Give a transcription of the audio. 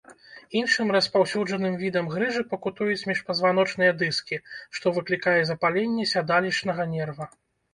Іншым распаўсюджаным відам грыжы пакутуюць міжпазваночныя дыскі, што выклікае запаленне сядалішчнага нерва.